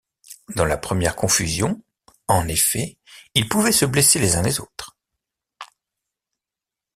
Dans la première confusion en effet ils pouvaient se blesser les uns les autres.